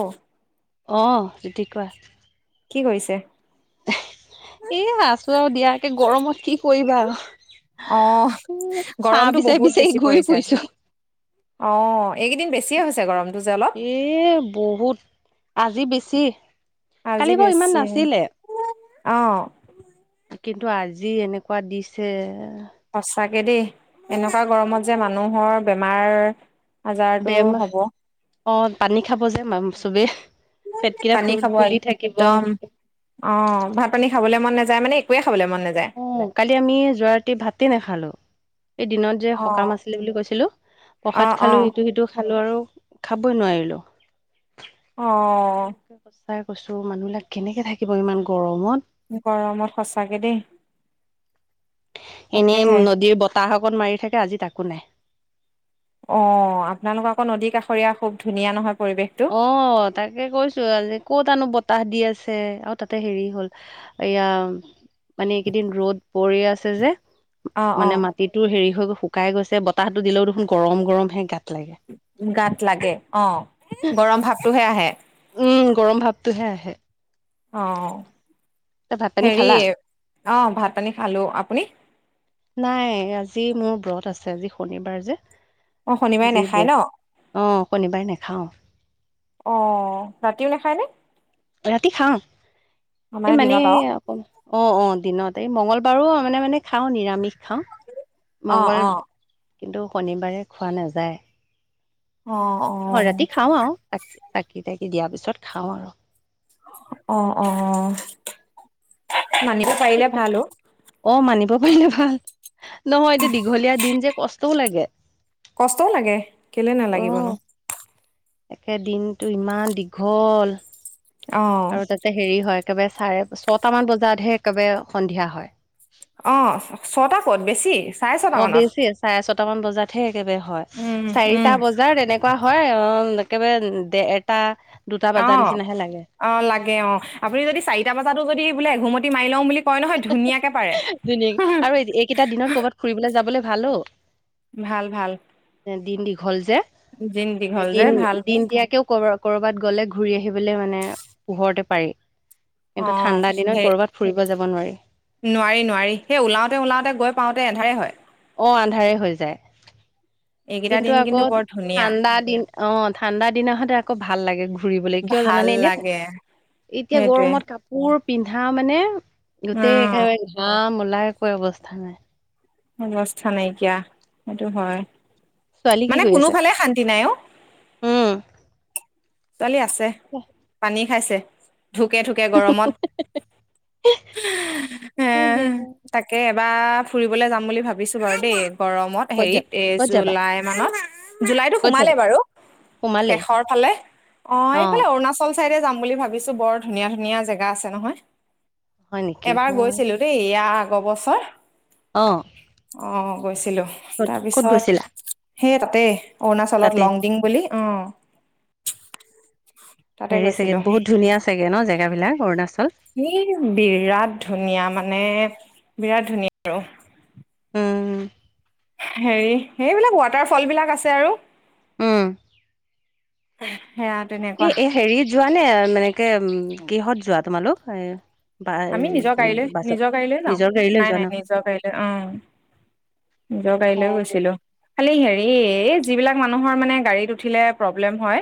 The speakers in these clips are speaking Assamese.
অ। অ, গিতি কোৱা। কি কৰিছে? এ আছো আৰু দিয়া। একে গৰমত কি কৰিবা? অহ, চাহ গৰমটো বিচাৰি বহুত বিচাৰি বেছি ঘূৰি পৰিছে আজি। ফুৰিছো। অ, এইকেইদিন বেছিয়ে হৈছে গৰম। এ বহুত, আজি বেছি। আজি কালি বাও ইমান বেছি নাছিলে। অ। কিন্তু আজি এনেকুৱা দিছে। সচাঁকে দেই। এনেকুৱা গৰমত যে মানুহৰ বেমাৰ আজাৰটো বেমাৰ হ'ব। অ পানী খাব যে মাম চবেই। পেটকেইটা পানী খাব ফুলি থাকিব একদম, অ ভাত-পানী খাবলে মন নাযায়। মানে একোৱে খাবলৈ মন নাযায় অ, কালি আমি যোৱা ৰাতি ভাতে নাখালো। এই দিনত যে অ সকাম আছিলে বুলি কৈছিলো অ প্ৰসাদ অ খালো ইটো সিটো খালো আৰু খাবই নোৱাৰিলোঁ। অ সঁচাই কৈছো মানুহবিলাক কেনেকে থাকিব ইমান গৰমত। গৰমত সঁচাকে দেই। এনেই তাকেহে নদীৰ বতাহ অকণ মাৰি থাকে আজি তাকো নাই। অ আপোনালোকৰ আকৌ নদী কাষৰীয়া খুব ধুনীয়া নহয়। পৰিৱেশটো অ তাকে কৈছো আজি ক'ত আনো বত- তাহ দি আছে আৰু তাতে হেৰি হ'ল এয়া, মানে এইকেইদিন ৰ'দ পৰি আছে যে। অ অ মানে মাটিটো হেৰি হৈ শুকাই গৈছে বতাহতো দিলেও দেখোন গৰম গৰম হে গাত। লাগে গাত লাগে অ গৰম ভাবটোহে আহে। উম গৰম ভাৱটোহে আহে। অ ত ভাত পানী হেৰি খালা অ ভাত পানী খালো আপুনি। নাই আজি মোৰ ব্ৰত আছে আজি শনিবাৰ যে। অ শনিবাৰে আজি নাখায় ন ব্ৰত অ শনিবাৰে নাখাওঁ। অ ৰাতিও নাখায়নে। ৰাতি খাও অ এই মানে দিনত আৰু অকল অ অ দিনত। তে মঙ্গলবাৰো মানে মানে খাওঁ নিৰামিষ খাওঁ। অ মঙ্গল অ কিন্তু শনিবাৰে খোৱা নাযায়। অ অ ৰাতি খাও আও চাকি তাকি দিয়াৰ পিছত খাওঁ আৰ। অ অ। মানিব পাৰিলে ভাল অ অ মানিব পাৰিলে ভাল নহয় এতিয়া দীঘলীয়া দিন যে কষ্ট- টো লাগে। কষ্টও লাগে কেলে নালাগিবনো। তাকে দিনটো ইমান দীঘল অ আৰু তাতে হেৰি হয়। একেবাৰে চাৰে ছটামান বজাতহে একেবাৰে সন্ধিয়া হয়। অ ছটা ক'ত বেছি। চাৰে ছটা অ মানত বেছিয়ে চাৰে ছটামান বজাত হে কেবে হয় উম উম চাৰিটা বজাত এনেকুৱা হয় অ একেবাৰে দেৰ টা অ অ লাগে অ আপুনি যদি চাৰিটা বজাতো যদি বোলে এঘুমতি মাৰি লওঁ বুলি কয় নহয় ধুনীয়াকে পাৰে ধুনীয়া কি আৰু এইকেইটা দিনত কৰ'বাত ফুৰিবলৈ যাবলৈ ভাল অ। ভাল ভাল। হল যে দিন মানে দীঘল যে দিন ভাল দিন দিয়াকেও কৰবৰক কৰবাত গ'লে ঘূৰি আহিবলৈ মানে পোহৰতে পাৰি। অ কিন্তু ঠাণ্ডা দিনত সেই কৰবাত ফুৰিব যাব নোৱাৰি। নোৱাৰি নোৱাৰি সেই ওলাওতে ওলাওতে গৈ পাওঁতে এন্ধাৰেই হয়। অ আন্ধাৰে হৈ যায় এইকেইটা কিন্তু দিন আকৌ বৰ ধুনীয়া ঠাণ্ডা দিন। অ ঠাণ্ডা দিনা হতে আকৌ ভাল লাগে ঘু- ফুৰিবলে কিয় ভাল জানানে এনে, লাগে এতিয়া সেইটোৱে গৰমত কাপোৰ পিন্ধা মানে অ গোটেই একেবাৰে ঘাম ওলাই কৰি অৱস্থা নাই। অৱস্থা নাইকিয়া সেইটো হয়। ছোৱালী কি মানে কৰি আছে? কোনোফালে শান্তি নাই অ। উম। ছোৱালী আছে পানী খাইছে। ঢুকে ঢুকে গৰমত এ তাকে। বা ফুৰিবলৈ যাম বুলি ভাবিছো বাৰু দেই। গৰমত ক'ত যাবা হেৰিত এই ক'ত যাবা জুলাই মানত, জুলাইতো ক'ত সোমালে যাবা? বাৰু। সোমালে শেষৰ ফালে। অ এইফালে অৰুণাচল চাইডে যাম বুলি ভাবিছো বৰ ধুনীয়া ধুনীয়া জেগা আছে নহয়। হয় নেকি এবাৰ মই গৈছিলো দেই ইয়াৰ আগৰ বছৰ। অ। অ গৈছিলোঁ ক'ত ক'ত গৈছিলা তাৰপিছত সেই তাতেই তাতে? অৰুণাচলত লংডিং বুলি। অ। তাতে হেৰি চাগে গৈছিলো বহুত ধুনীয়া চাগে ন জেগাবিলাক অৰুণাচল। ই বিৰাট ধুনীয়া মানে বিৰাট ধুনীয়া আৰু উম হেৰি সেইবিলাক ৱাটাৰ ফল বিলাক আছে আৰু উম সেয়া তেনেকুৱা মানে মানেকে উ কিহত যোৱা তোমালোক এ বা আমি নিজৰ গাড়ীলৈ বাছত নিজৰ গাড়ীলৈ যাওঁ নিজৰ গাড়ী লৈ নাই যোৱা নাই ন নিজৰ গাড়ীলৈ অ নিজৰ গাড়ীলৈ গৈছিলো। খালি হেৰি যিবিলাক মানুহৰ মানে গাড়ীত উঠিলে প্ৰব্লেম হয়।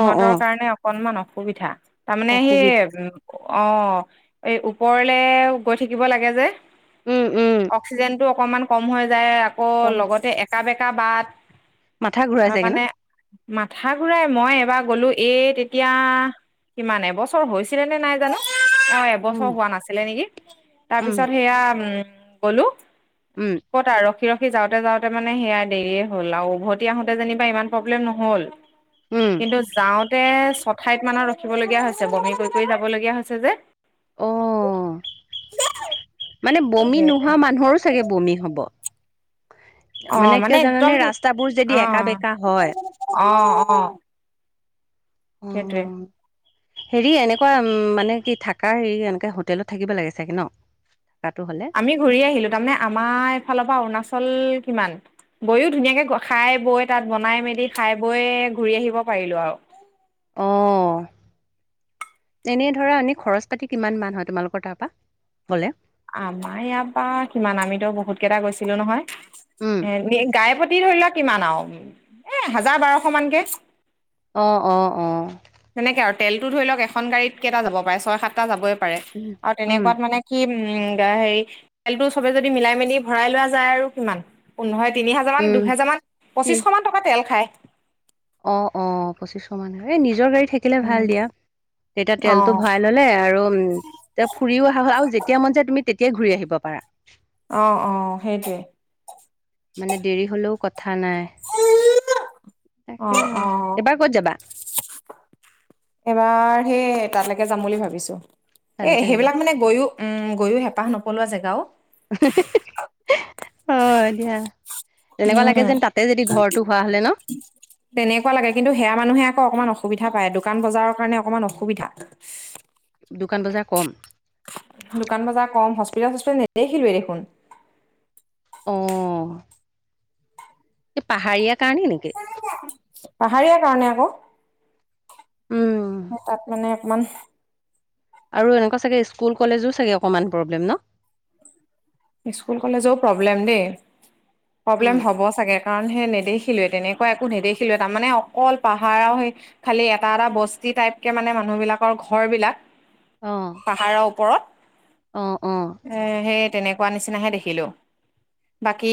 অ অ কাৰণে অকনমান অসুবিধা তাৰমানে সেই অসুবিধা উ অহ এই ওপৰলে গৈ থাকিব লাগে যে উম উম অক্সিজেনটো অকমান কম হৈ যায় আকৌ কম লগতে একা বেকা বাট মাথা ঘূৰাই চাগে ন সেকাণে মাথা ঘুৰাই মই এবাৰ গলো এই তেতিয়া কিমান এবছৰ হৈছিলে নে নাই জানো অ এব উম ছৰ হোৱা নাছিলে নিকি তাৰ উম পিছত সেয়া উম গলো উম ক'ত আ ৰখি ৰখ যাওঁতে যাওঁতে মানে সেয়াই দেৰিয়ে হ'ল আৰু উভতি আহোতে যেনিবা ইমান প্ৰব্লেম নহল উম কিন্তু যাওঁতে চত ঠাইত মানত ৰখিবলগীয়া হৈছে বমি কৰি কৰি যাবলগীয়া হৈছে যে অ মানে বমি নোহোৱা মানুহৰো চাগে বমি হব অহ মানে কিয় জানানে একদম ৰাস্তাবোৰ যদি অ একা বেকা হয় অ অ অ সেইটোৱে হেৰি এনেকুৱা উম মানে কি থাকাৰ হেৰি এনেকে হোটেলত থাকিব লাগে চাগে ন থকাটো হলে আমি ঘূৰি আহিলো তাৰমানে আমাৰ এইফালৰ পৰা অৰুণাচল কিমান গৈও ধুনীয়াকে গ খাই বৈ তাত বনাই মেলি খাই বৈ ঘূৰি আহিব পাৰিলো আৰু অঁ এনেই ধৰা এনে খৰচ পাতি কিমান মান হয় তোমালোকৰ তাৰ পা গ'লে। আমাৰ ইয়াৰ পা কিমান আমিতো বহুত কেইটা গৈছিলো নহয়, উম, এ গাই পতি পি ধৰি লোৱা কিমান আৰু এ হাজাৰ বাৰশ মানকে অ অ অ তেনেকে আৰু তেলটো ধৰি লওক এখন গাড়ীত কেইটা যাব পাৰে ছয় সাতটা যাবই পাৰে উম, আৰু উম, তেনেকুৱাত মানে কি উম হেৰি তেলটো চবে যদি মিলাই মেলি ভৰাই লোৱা যায় আৰু কিমান পোন্ধৰ তিনি হাজাৰ মান উম, দুহেজাৰ মান তিন পঁচিছশ মান টকা তেল খায় অ অ পঁচিছশ মান হয় এ নিজৰ গাড়ী থাকিলে ভাল উম দিয়া। তেতিয়া অ তেলটো ভৰাই ললে আৰু উম তে ফুৰিও অহা হল আৰু যেতিয়া মন যায় তুমি তেতিয়াই ঘূৰি আহিব পাৰা অ অ সেইটোৱে মানে দেৰি হলেও ক থা নাই তাকে অ এবাৰ ক'ত যাবা এবাৰ সেই তালেকে যাম বুলি ভাবিছো এ তালৈকে যাবা। সেইবিলাক মানে গৈয়ো উম গৈয়ো হেঁপাহ নপলোৱা জেগা ঔ হয় দিয়া এনেকুৱা উম লাগে যেন তাতে যদি ঘৰটো হোৱা হলে ন তেনেকুৱা লাগে কিন্তু সেয়া মানুহে আকৌ অকমান অসুবিধা পায় দোকান বজাৰৰ কাৰণে অকমান অসুবিধা। ন' দোকান বজাৰ কম। দোকান বজাৰ কম সছ্ এবাৰ হোষ্টে নেদেখিলোয়ে দেখোন। অ। এই পাহাৰীয়া কাৰণে নেকি? পাহাৰীয়া কাৰণে আকৌ উম। সে তাত মানে অকমান আৰু এনেকুৱা চাগে স্কুল কলেজো চাগে অকণমান প্ৰব্লেম ন স্কুল কলেজও প্ৰব্লেম দেই উম। প্ৰব্লেম হ'ব চাগে কাৰণ। সেই‌ নেদেখিলোৱেই তেনেকুৱা একো নেদেখিলোৱেই তাৰমানে অকল পাহাৰ আও সেই খালি এটা এটা বস্তি তা- টাইটকে মানে মানুহবিলাকৰ ঘৰ বিলাক। অ', পাহাৰৰ ওপৰত অ', অ'। এ সেই পোৱা নিচিনাহে দেখিলোঁ। বাকী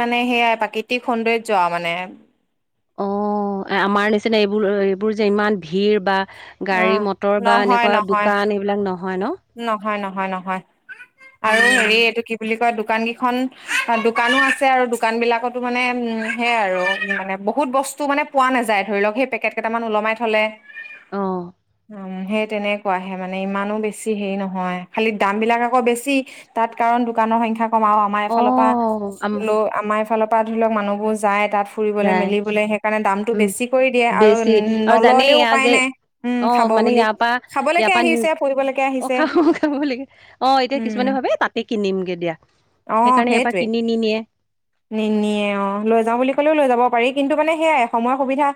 মানে সেইয়াই প্ৰাকৃতিক সৌন্দৰ্য্য আও মানে। অ আমাৰ নিচিনা এইবোৰ এইবোৰ যে ইমান ভিৰ বা অ গাড়ী মটৰ বা নহয় এনেকুৱা নহয় দোকান এইবিলাক নহয় ন। নহয় নহয় আৰু উম, হেৰি এইটো কি বুলি কয় দো- দোকান কিখন দোকানো আছে আৰু দোকান বিলাকতো মানে উম সেয়াই আৰু মানে বহুত বস্ত- বস্তু মানে পোৱা নাযায় ধৰি লওক সেই পেকেট কেইটামান ওলমাই থলে। অহ। উম সেই তেনেকুৱাহে মানে ইমানো বেছি হেৰি নহয় খালি দাম বিলাক আকৌ বেছি তাত কাৰণ দোকানৰ সংখ্যা কম আৰু আমাৰ এফালৰ পৰা অ', আম ল আমাৰ এফালৰ পৰা ধৰি লওক মানুহবোৰ যায়। তাত ফুৰিবলৈ যায় মেলিবলৈ সেইকাৰণে দামটো উম, বেছি কৰি দিয়ে আৰু বেছি আৰু জানেই নল'লেও এয়া উপায় যে নাই। উম অ খাব মানে বুলি ইয়াপা খাবলৈকে ইয়াপা আহিছে ফুৰিবলৈকে অ আহিছে খাব খাব লাগে অ এতিয়া উম কিছুমানে ভাবে তাতে কিনিমগে দিয়া, অ সেইকাৰণে এয়াৰ পৰা সেইটোৱে কিনিনিয়ে। নিনিয়ে অ লৈ যাও বুলি ক'লেও লৈ যাব পাৰি কিন্তু মানে সেয়াই সময়ৰ সুবিধা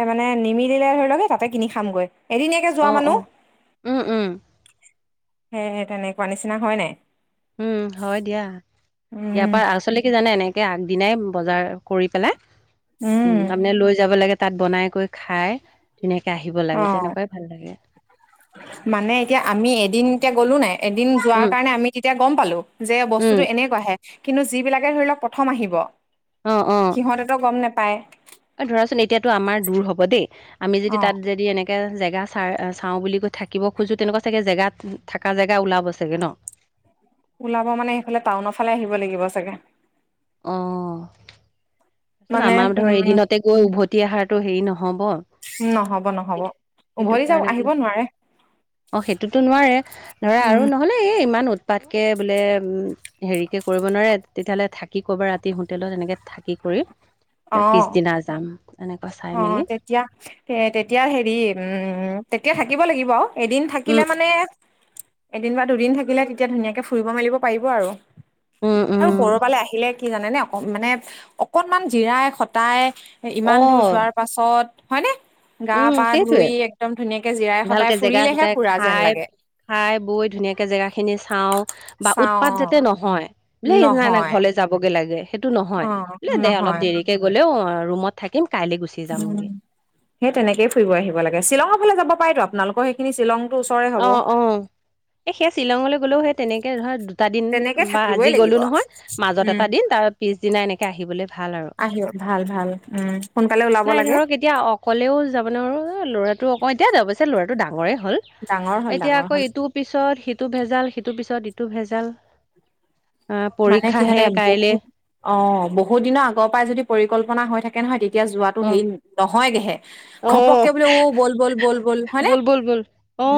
এ মানে নিম- মিলিলে ধৰি লওক তাতে কিনি খামগৈ এদিনীয়াকে যোৱা অ', মানুহ। অ', উম, উম, সে তেনেকুৱা নিচিনা হয় নাই? উম হয় দিয়া, ইয়াৰ উম পৰা আচলতে কি জানে নে আগদিনাই বজাৰ কৰি পেলাই উম তাৰমানে লৈ যাব লাগে। তাত বনাই কৈ খাই। ধুনীয়াকে আহিব অ লাগে তেনেকুৱাই ভাল লাগে মানে এতিয়া আমি এদিনকে গলো নাই। এদিন যোৱাৰ উম কাৰণে আমি তেতিয়া গম পালো যে উম বস্তুতটো এনেকুৱাহে। কিন্তু যিবিলাকে ধৰি লওঁক প্ৰথম আহিব, অ' - অ'। সিহঁতেতো গম নেপায় এ ধৰাচোন এতিয়াতো আমাৰ দূৰ হব দে। আমি যদি অ তাত যদি এনে কে জেগা চাই চাও বুলি কৈ থাকিব খোজো তেনেকুৱা চাগে জেগা থকা জেগা ওলাব চাগে ন? [inaudible] ওলাব মানে সেইফালে টাউনৰ ফালে আহিব লাগিব চাগে। অ। মানে আমাৰ ধৰ উম এদিনতে গৈ উভতি আহাৰটো হেৰি নহ'ব। নহ'ব নহ'ব সেইটো সেইটো উভতি যাম কাৰণে বোলো আহিব নোৱাৰে। অ সেইটোতো নোৱাৰে ধৰা আৰু উম নহ'লে এই ইমান উৎ- পাতকে বোলে উ হেৰিকে কৰিব নোৱাৰে তেতিয়াহ'লে থাকি ক'বা ৰাতি হোটেলত এনেকে। থাকি কৰি যে অ পিছদিনা যাম। এনেকুৱা চাই অ মেলি তেতিয়া তেতিয়া হেৰি উম তেতিয়া থাকিব লাগিব আও। এদিন থাকিলে উম মানে এদিন বা দুদিন থাকিলে তেতিয়া ধুনীয়াকে ফুৰিব মেলিব পাৰিব আৰু। উম আৰু উম হৰ পালে আহিলে কি জানেনে অক মানে অকনমান জিৰাই খটাই। অ ইমান দূৰ যোৱাৰ পাছত হয়নে। গা উম পা সেইটোৱে ধুই একদম ধুনীয়াকে জিৰাই ভালকে সতাই জেগা ফুৰিলেহে সদায় ফুৰা যেন খাই লাগে। খাই বৈ ধুনীয়াকে জেগা খিনি চাও বা চাওঁ উৎপাত যাতে নহয়। বোলে নাই নাই নহয় ঘৰলে যাবগে লাগে সেইটো নহয়, অ বোলে দে অলপ নহয় দেৰিকে গ'লেও অহ ৰুমত থাকিম। কাইলে গুচি উম যামগে সেই তেনেকেই ফুৰিব আহিব লাগে। শ্বিলঙৰ ফালে যাব পাৰতো আপোনালোকৰ সেইখিনি শ্বিলং অহ অহ এ সেইয়া শ্বিলঙলৈ গলেও সেই তেনেকে ধৰা দুটা দিন তেনেকে বা আজি থাকিবই গলো লাগিব নহয় মাজত উম এটা দিন তাৰ পিছদিনা এনেকে আহিবলৈ ভাল আৰু। আহিব ভাল ভাল উম সোনকালে ওলাব নাই লাগে ধৰক এতিয়া অকলেও যাব নোৱাৰো ল'ৰাটো অক- অহ এতিয়া দে অৱশ্যে ল'ৰাটো ডাঙৰেই হ'ল ডাঙৰ হ'ল এতিয়া ডাঙৰ আকৌ হ'ল এইটো পিছত সিটো ভেজাল সিটো পিছত ইট- টো ভেজাল। আহ মানে কি জানে পৰীক্ষাহে কাইলে বহুত অহ বহুত দিনৰ আগৰ পৰাই যদি পৰিকল্পনা হৈ থাকে নহয় তেত- তিয়া যোৱাটো অ হেৰি নহয়গেহে। অ ঘপককে বোলে ও বল - বল - বল - বল, হয়নে? ব'ল ব'ল অ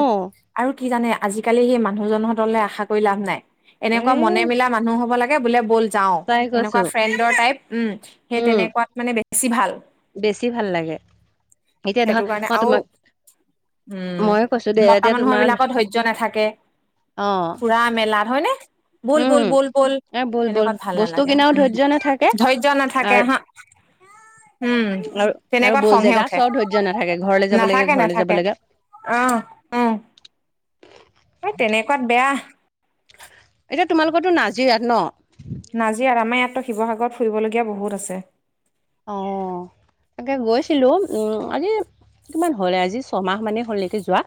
আৰু কি জানে, আজিকালি সেই মানুহজনহতলে আশা কৰি লাভ নাই। এ এনেকুৱা মনে মিলা মানুহ হ'ব লাগে, বোলে ব'ল যাওঁ। সঁচাই সেনেকুৱা কৈছো ফ্ৰেণ্ডৰ টাইপ। উম, সেই উম তেনেকুৱাত মানে বে বেছি ভাল। বেছি ভাল লাগে। এতিয়া সেইটো ধৰা কাৰণে মই আৰু তোমাক উম, মইয়ে কৈছো দে মতা এতিয়া মানুহৰ তোমাৰ বিলাকো ধৈৰ্য্য নাথাকে। অ ফুৰা-মেলাত হয়নে? বোল উম বল - বল - বল এ ব'ল ব'ল তেনেকুৱাত ভাল বস্তু নালাগে, কিনাও ধৈৰ্য্য নাথাকে উম। ধৈয্য নাথাকে আৰু আহা আৰু - আৰু বহু খংহে জেগা উঠে চোৱাও ধৈৰ্য্য নাথাকে। ঘৰলৈ যাব লাগে, নাথাকে ঘৰলে যাব নাথাকে লগে। অ', উম। এ তেনেকুৱাত বেয়া। জিৰাত ন'? নাজিৰা আমাৰ ইয়াততো শিৱসাগৰত ফুৰিবলগীয়া বহুত আছে। অ'। তাকে গৈছিলোঁ। উম, আজি কিমান হ'লে? আজি ছমাহ মানেই হ'ল নেকি যোৱা।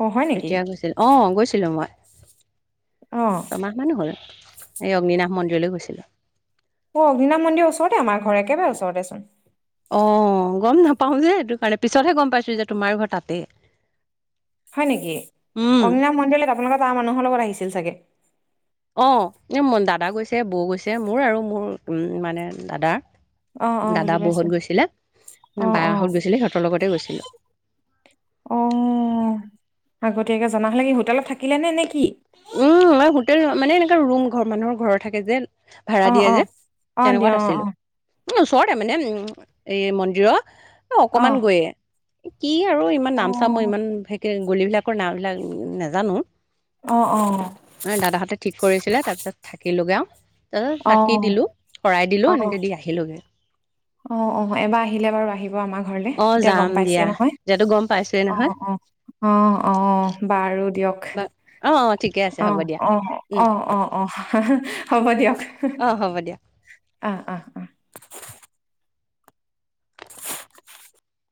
অ হয় নেকি এতিয়া গৈছিল। অ' গৈছিলোঁ মই। অ ছমাহ মানে হ'ল। এই অগ্নিনাশ মন্দিৰলৈ গৈছিলোঁ। অ' অগ্নিনাম মন্দিৰ ওচৰতে আমাৰ ঘৰ। একেবাৰে ওচৰতেচোন। অ' গম নাপাওঁ যে, এইটো কাৰণে। পিছতহে গম পাইছোঁ যে তোমাৰ ঘৰ তাতে। হয় নেকি? উম অগ্নিনাম মন্দিৰত আপোনালোকৰ তাৰ মানুহৰ লগত আহিছিল চাগে। অ' এ মন দাদা গৈছে, বৌ গৈছে। মোৰ আৰু, মোৰ উম মানে দাদা। অ অ দাদা বুজি বৌহঁত পাইছো গৈছিলে। অ অ বাহঁত গৈছিলে। সিহঁতৰ লগতে গৈছিলোঁ। অ'। আগতীয়াকে জনা হলে সি হোটেলত থাকিলে নে নে কি? উম, মই হোটেল মানে এনেকুৱা ৰুম মানুহৰ ঘৰ থাকে যে ভাড়া অ দিয়ে অ যে অ দিয়া তেনেকুৱাত আছিল। উম ওচৰতে মানে উম এই মন্দিৰৰ অ অকমান গৈয়ে। ই আৰু ইমান অ নাম-চাম মই ইমান ফেকে গলিবিলাকৰ নামবিলাক উম নাজানো। অ অ অ' দাদাহঁতে ঠিক কৰিছিলে। তাৰ পিছত থাকিলোঁগে আও। তাৰপছত অ অ চাকি দিলোঁ, শৰাই অ দিলোঁ, এনেকে দি আহিলগে। অ' - অ' এবাৰ আহিলে বাৰু আহিব আমাৰ ঘৰলে। অ', এতিয়া যাম গম দিয়া। পাইছে নহয়। এতিয়াতো গম পাইছোৱে নহয় অ' - অ', অ' - অ', বাৰু দিয়ক। বা- অ' ঠিকে আছে হ'ব অ' দিয়া - অ' - উম, অ' - অ' - অ' হ'ব দিয়ক। অ', হ'ব দিয়া। অ' - অ' - অ'।